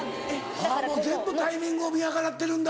もう全部タイミングを見計らってるんだ。